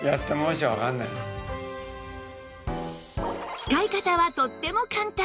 使い方はとっても簡単！